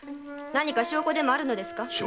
何か証拠があるのですか？